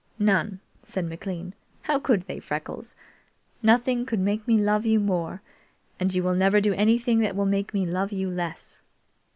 "None," said McLean. "How could they, Freckles? Nothing could make me love you more, and you never will do anything that will make me love you less."